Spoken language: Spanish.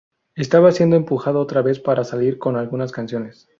Estaba siendo empujado otra vez para salir con algunas canciones.